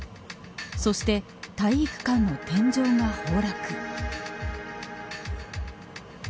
そして体育館の天井が崩落。